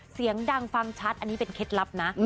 เสียงดังฟังชัดอันนี้เป็นเคล็ดลับนะ